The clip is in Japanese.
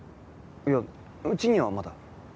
いやうちにはまだ。